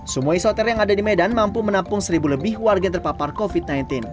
semua isoter yang ada di medan mampu menampung seribu lebih warga yang terpapar covid sembilan belas